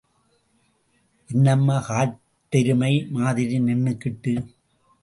என்னம்மா காட்டெருமை மாதிரி நின்னுக்கிட்டு?